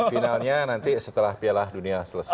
finalnya nanti setelah piala dunia selesai